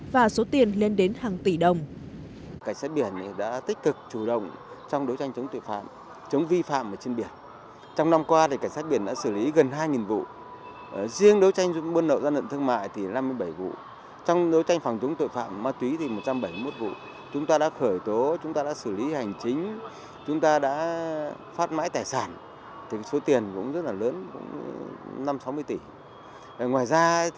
và số tiền lên đến hàng tỷ đồng